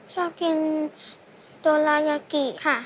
ชอบกินโดราเยาะกิ่ค่ะ